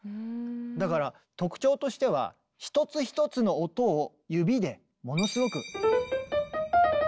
だから特徴としては一つ一つの音を指でものすごく。